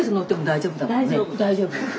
大丈夫。